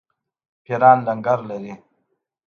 پیران لنګر لري.